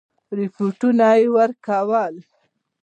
رپوټونه ورکول.